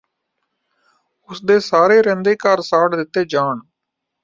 ਉਨ੍ਹਾਂ ਦੇ ਸਾਰੇ ਰਹਿੰਦੇ ਘਰ ਸਾੜ ਦਿੱਤੇ ਜਾਣ